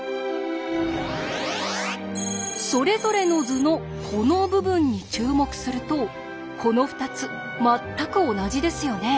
それぞれの図のこの部分に注目するとこの２つ全く同じですよね。